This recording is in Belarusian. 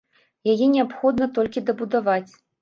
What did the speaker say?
Яе неабходна толькі дабудаваць.